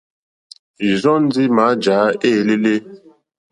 Ìrzɔ́ ndí mǎjǎ éělélé.